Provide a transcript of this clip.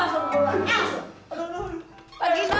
masih mampek kan